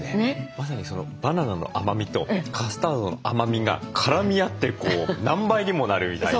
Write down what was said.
まさにそのバナナの甘みとカスタードの甘みが絡み合って何倍にもなるみたいな。